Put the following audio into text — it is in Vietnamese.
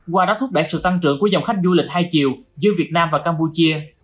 qua đáp thuốc đại sự tăng trưởng của dòng khách du lịch hai chiều giữa việt nam và campuchia